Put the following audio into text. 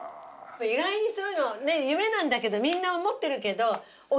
意外にそういうの夢なんだけどみんな思ってるけど。